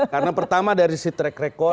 karena pertama dari si track record